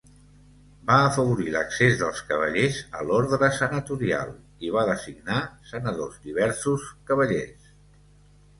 Va afavorir l'accés dels cavallers a l'ordre senatorial, i va designar senador diversos cavallers.